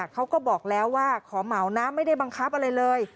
เขาก็บอกแล้วว่าขอเหมานะไม่ได้บังคับอะไรเลย